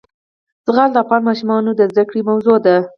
زغال د افغان ماشومانو د زده کړې موضوع ده.